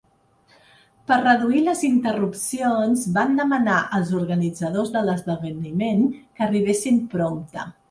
Per reduir les interrupcions, vam demanar als organitzadors de l'esdeveniment que arribessin prompte.